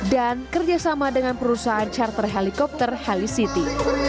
dan kerjasama dengan perusahaan charter helikopter helicity